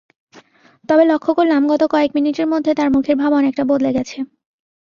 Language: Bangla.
তবে লক্ষ করলাম, গত কয়েকমিনিটের মধ্যে তার মুখের ভাব অনেকটা বদলে গেছে।